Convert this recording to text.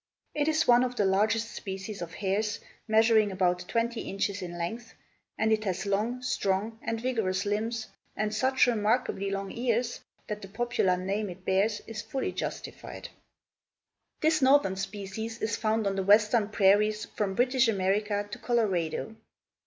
It is one of the largest species of hares, measuring about twenty inches in length, and it has long, strong, and vigorous limbs, and such remarkably long ears that the popular name it bears is fully justified. This northern species is found on the western prairies from British America to Colorado.